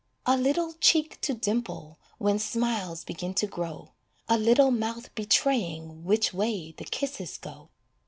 A little cheek to dimple When smiles begin to grow A little mouth betraying Which way the kisses go.